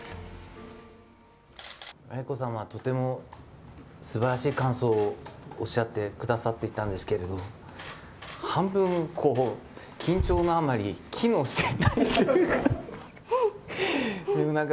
愛子さま、とてもすばらしい感想をおっしゃってくださっていたんですけれども、半分、緊張のあまり、機能していないというか。